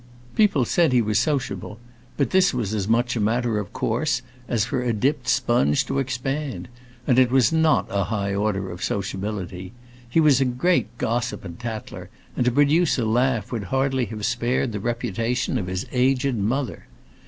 People said he was sociable, but this was as much a matter of course as for a dipped sponge to expand; and it was not a high order of sociability. He was a great gossip and tattler, and to produce a laugh would hardly have spared the reputation of his aged mother.